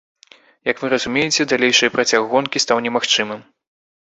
Як вы разумееце, далейшае працяг гонкі стаў немагчымым.